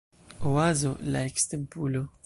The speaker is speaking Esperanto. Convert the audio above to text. Oazo la ekstempulo